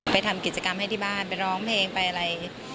ทำกิจกรรมให้ที่บ้านไปร้องเพลงไปอะไร